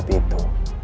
pada saat itu